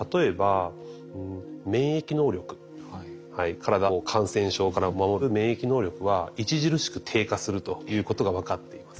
体を感染症から守る免疫能力は著しく低下するということが分かっています。